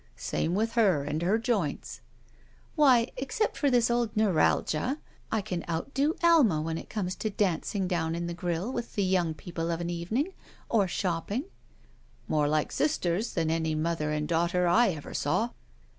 Same with her and her joints." Why, except for this old neuralgia, I can outdo Alma when it comes to dancing down in the grill with the young people of an evening, or shop ping." "More like sisters than any mother and daughter I ever saw."